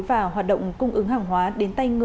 và hoạt động hàng hóa